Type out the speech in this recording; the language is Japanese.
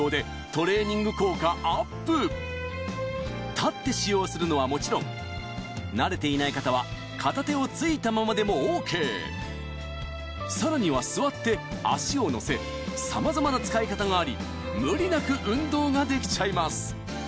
立って使用するのはもちろん慣れていない方は片手をついたままでもＯＫさらには座って足を乗せさまざまな使い方があり無理なく運動ができちゃいます